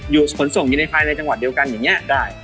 ขนส่งอยู่ในภายในจังหวัดเดียวกันอย่างนี้ได้